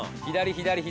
左左。